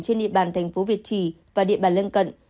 trên địa bàn thành phố việt trì và địa bàn lân cận